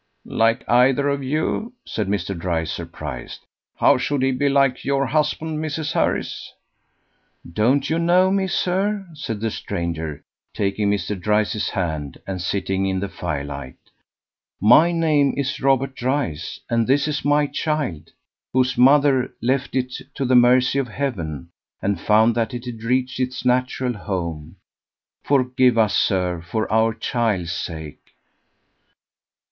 "Like either of you?" said Mr. Dryce, surprised. "How should he be like your husband, Mrs. Harris?" "Don't you know me, sir," said the stranger, taking Mr. Dryce's hand and sitting in the firelight. "My name is Robert Dryce, and this is my child, whose mother left it to the mercy of Heaven, and found that it had reached its natural home. Forgive us, sir, for our child's sake."